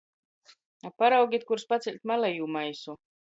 A paraugit kurs paceļt malejū maisu!